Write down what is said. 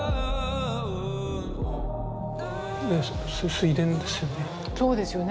水田ですよね。